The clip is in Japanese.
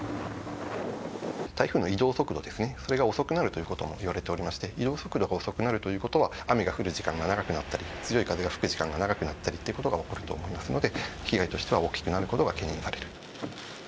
台風の移動速度ですね、それが遅くなるということもいわれておりまして、移動速度が遅くなるということは、雨が降る時間が長くなったり、強い風が吹く時間が長くなったりっていうことが起こると思いますので、被害としては大きくなることが懸念される。